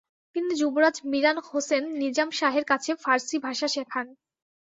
তিনি যুবরাজ মিরান হোসেন নিজাম শাহের কাছে ফার্সি ভাষা শেখান।